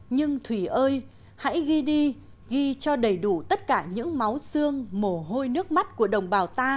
nhưng thùy ơi hãy ghi đi ghi cho đầy đủ tất cả những máu xương mồ hôi nước mắt của đồng bào ta đã đổ hai mươi năm nay